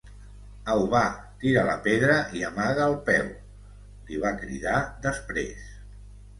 Au va, tira la pedra i amaga el peu —li va cridar després.